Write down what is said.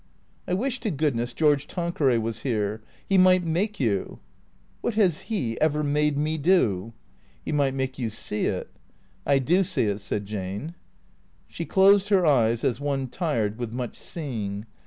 " I wish to goodness George Tanqueray was here. He might make you " "What has he ever made me do? "" He might make you see it." " I do see it," said Jane. She closed her eyes as one tired with much seeing.